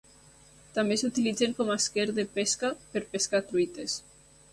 També s'utilitzen com esquer de pesca per pescar truites.